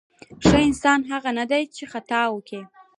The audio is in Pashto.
ښه انسان هغه نه دی چې خطا نه کوي.